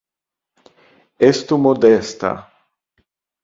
Estu modesta.